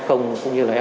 sinh viên f cũng như là